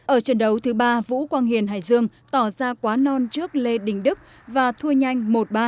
ở trận đấu thứ ba vũ quang hiền hải dương tỏ ra quá non trước lê đình đức và thua nhanh một ba